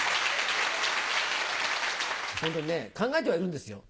ホントにね考えてはいるんですよ。